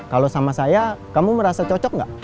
kalau sama saya kamu merasa cocok nggak